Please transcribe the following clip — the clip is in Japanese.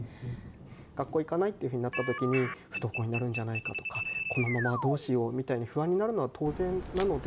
学校行かないっていうふうになった時に不登校になるんじゃないかとかこのままどうしようみたいな不安になるのは当然なので。